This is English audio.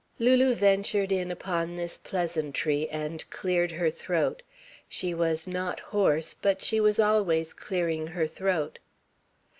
Lulu ventured in upon this pleasantry, and cleared her throat. She was not hoarse, but she was always clearing her throat.